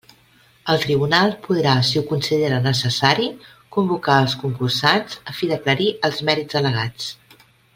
El tribunal podrà, si ho considera necessari, convocar els concursants, a fi d'aclarir els mèrits al·legats.